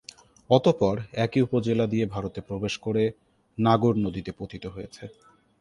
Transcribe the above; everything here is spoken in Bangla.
অতঃপর একই উপজেলা দিয়ে ভারতে প্রবেশ করে নাগর নদীতে পতিত হয়েছে।